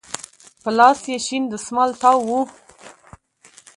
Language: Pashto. په لاس يې شين دسمال تاو و.